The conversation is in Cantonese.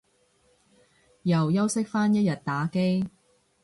又休息返一日打機